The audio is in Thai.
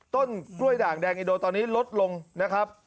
ต้นกล้วยด่างแดงอินโดตอนนี้ลดลงนะครับ